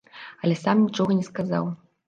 Але сам нічога не сказаў.